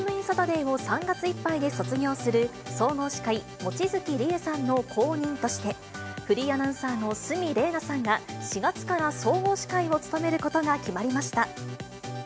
サタデーを３月いっぱいで卒業する総合司会、望月理恵さんの後任として、フリーアナウンサーの鷲見玲奈さんが４月から総合司会を務めることが決まりました。